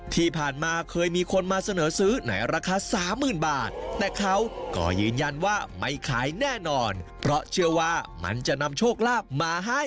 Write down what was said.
ที่ผ่านมาเคยมีคนมาเสนอซื้อในราคาสามหมื่นบาทแต่เขาก็ยืนยันว่าไม่ขายแน่นอนเพราะเชื่อว่ามันจะนำโชคลาภมาให้